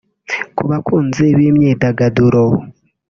Ku bakunzi b’imyidagaduro